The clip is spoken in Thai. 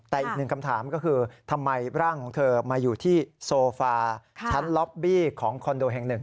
แต่อีกหนึ่งคำถามก็คือทำไมร่างของเธอมาอยู่ที่โซฟาชั้นล็อบบี้ของคอนโดแห่งหนึ่ง